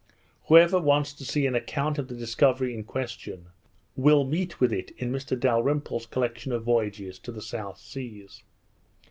Whoever wants to see an account of the discovery in question, will meet with it in Mr Dalrymple's collection of voyages to the south seas.